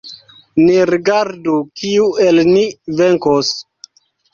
Ni rigardu, kiu el ni venkos!